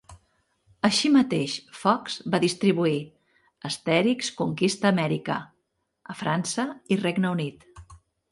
Així mateix, Fox va distribuir "Asterix conquista Amèrica" a França i Regne Unit.